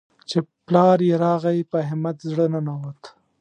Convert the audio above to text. چې پلار يې راغی؛ په احمد زړه ننوت.